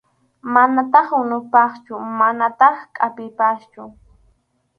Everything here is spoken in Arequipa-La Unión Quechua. Manataq unupaschu manataq chʼakipaschu.